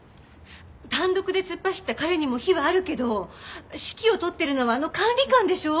単独で突っ走った彼にも非はあるけど指揮を執ってるのはあの管理官でしょ！？